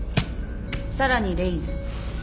さらにレイズ。